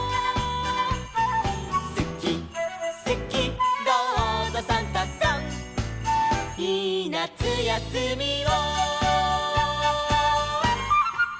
「すきすきどうぞサンタさん」「いいなつやすみを」